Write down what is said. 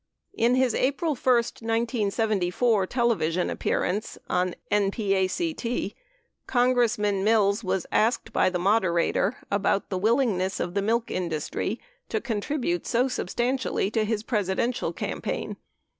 In his April 1, 1974 television appear ance (NPACT) , Congressman Mills was asked by the moderator about the willingness of the milk industry to contribute so substantially to his Presidential campaign.